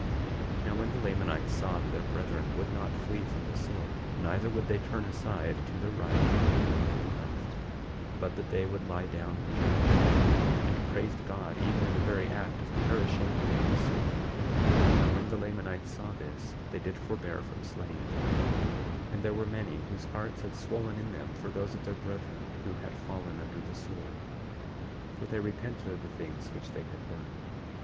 24:23 Now when the Lamanites saw that their brethren would not flee from the sword, neither would they turn aside to the right hand or to the left, but that they would lie down and perish, and praised God even in the very act of perishing under the sword— 24:24 Now when the Lamanites saw this they did forbear from slaying them; and there were many whose hearts had swollen in them for those of their brethren who had fallen under the sword, for they repented of the things which they had done.